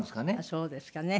そうですかね。